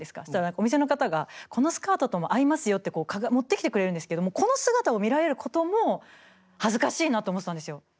そしたらお店の方が「このスカートとも合いますよ」って持ってきてくれるんですけどもうこの姿を見られることも恥ずかしいなって思ってたんですよ。